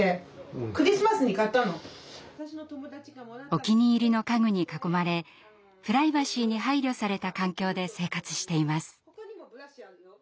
お気に入りの家具に囲まれプライバシーに配慮された環境で生活しています。